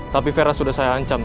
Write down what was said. tapi vera sudah saya ancam